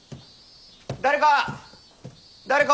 誰か！